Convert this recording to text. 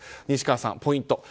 西川さん、ポイント。